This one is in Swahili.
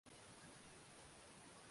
pale linapokuwa wengi wa wabunge wake ni